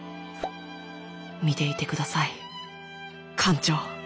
見ていて下さい艦長。